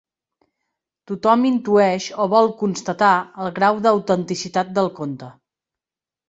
Tothom intueix o vol constatar el grau d'autenticitat del conte.